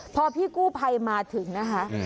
พอพี่กู้ภัยมาถึงนะคะ